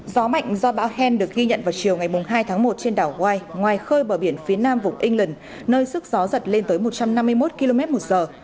gió mạnh do bão hen được ghi nhận vào chiều ngày hai tháng một trên đảo white ngoài khơi bờ biển phía nam vùng england nơi sức gió giật lên tới một trăm năm mươi một km một giờ